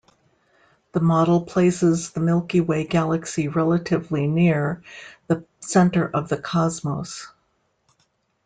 The model places the Milky Way galaxy relatively near the center of the cosmos.